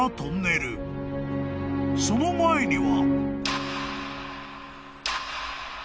［その前には］